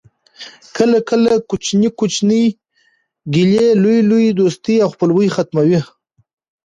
کله کله کوچنۍ کوچنۍ ګیلې لویي لویي دوستۍ او خپلوۍ ختموي